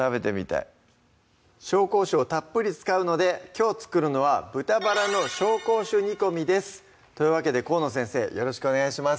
紹興酒をたっぷり使うのできょう作るのは「豚バラの紹興酒煮込み」ですというわけで河野先生よろしくお願いします